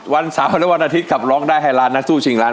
วันเสาร์และวันอาทิตย์ครับร้องได้ให้ล้านนักสู้ชิงล้าน